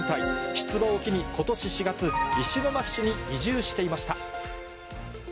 出馬を機に、ことし４月、石巻市に移住していました。